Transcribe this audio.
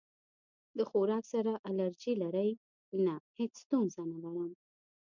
د خوراک سره الرجی لرئ؟ نه، هیڅ ستونزه نه لرم